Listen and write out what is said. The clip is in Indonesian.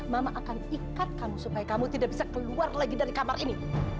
mama akan ikat kamu supaya kamu tidak bisa keluar lagi dari kamar ini